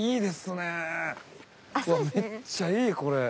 めっちゃいいこれ。